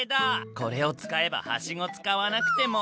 「これを使えばはしご使わなくても」